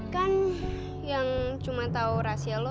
kan yang cuma tahu rahasia lo